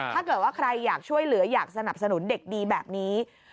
ถ้าเกิดว่าใครอยากช่วยเหลืออยากสนับสนุนเด็กดีแบบนี้